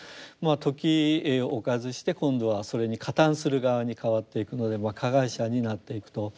時を置かずして今度はそれに加担する側に変わっていくので加害者になっていくと。